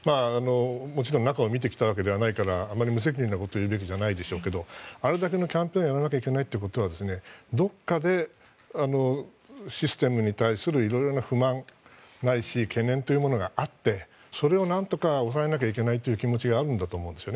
もちろん中を見てきたわけじゃないから無責任なことを言うべきじゃないですがあれだけのキャンペーンをやらなきゃいけないのはどこかで、システムに対するいろいろな不満ないし懸念があってそれを何とか抑えないといけないという気持ちがあるんだと思うんです。